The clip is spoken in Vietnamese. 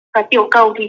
và tiểu cầu thì trôi nổi